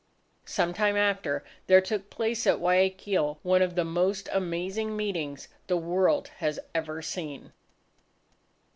Some time after, there took place at Guayaquil one of the most amazing meetings the world has ever seen.